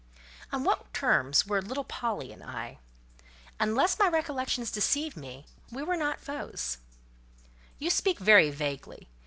"On what terms were 'little Polly' and I? Unless my recollections deceive me, we were not foes—" "You speak very vaguely.